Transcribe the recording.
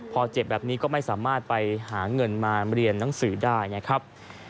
พอเจ็บแบบนี้ก็ไม่สามารถไปหาเงินมาเรียนหนังสือได้นะครับ